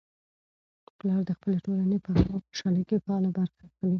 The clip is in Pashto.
پلار د خپلې ټولنې په غم او خوشالۍ کي فعاله برخه اخلي.